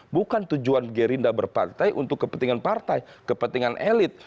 bukan tujuan gerindra berpartai untuk kepentingan partai kepentingan elit